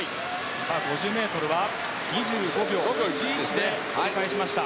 ５０ｍは２５秒１１で折り返しました。